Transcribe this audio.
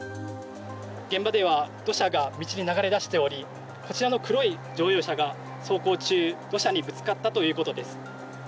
現場では土砂が道に流れ出しており、こちらの黒い乗用車が走行中、土砂にぶつかったということです。